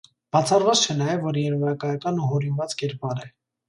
Բացառված չէ նաև, որ երևակայական ու հորինված կերպար է։